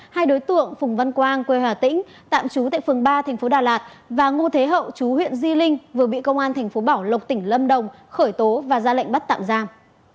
hai đối tượng phùng văn quang quê hà tĩnh tạm trú tại phường ba tp đà lạt và ngô thế hậu chú huyện di linh vừa bị công an tp bảo lộc tỉnh lâm đồng khởi tố và ra lệnh bắt tạm giam